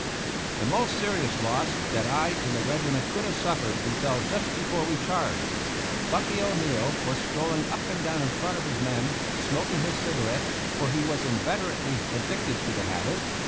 The most serious loss that I and the regiment could have suffered befell just before we charged. Bucky O'Neill was strolling up and down in front of his men, smoking his cigarette, for he was in veterately addicted to the habit.